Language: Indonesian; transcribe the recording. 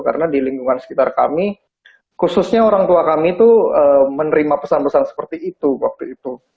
karena di lingkungan sekitar kami khususnya orang tua kami tuh menerima pesan pesan seperti itu waktu itu